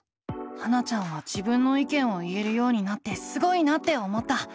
ハナちゃんは自分の意見を言えるようになってすごいなって思った。